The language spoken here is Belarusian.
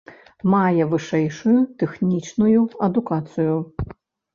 Мае вышэйшую тэхнічную адукацыю.